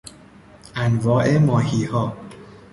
انواع ماهیها